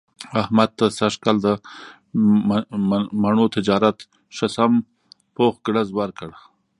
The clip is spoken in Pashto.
احمد ته سږ کال د مڼو تجارت ښه سم پوخ ګړز ورکړ.